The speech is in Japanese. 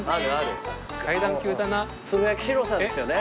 つぶやきシローさんですよね？